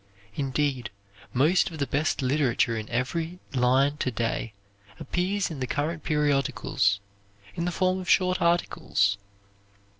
Indeed, most of the best literature in every line to day appears in the current periodicals, in the form of short articles.